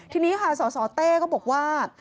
ทีนี้ค่ะสสเต้ก็บอกว่า